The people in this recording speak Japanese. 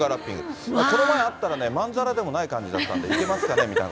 この前、会ったらまんざらでもない感じで、いけますかねみたいな。